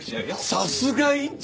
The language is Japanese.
さすが院長！